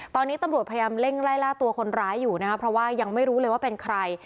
ตอนนี้ตำรวจพยายามเร่งไล่ล่าตัวคนร้ายอยู่นะครับเพราะว่ายังไม่รู้เลยว่าเป็นใคร